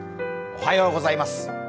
おはようございます。